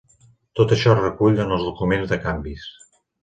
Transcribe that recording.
Tot això es recull en els Documents de Canvis.